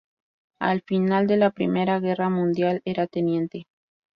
Al final de la Primera Guerra Mundial era teniente.